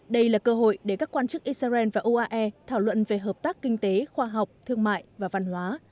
đây là cơ hội để các quan chức israel và uae thảo luận về hợp tác kinh tế khoa học thương mại và văn hóa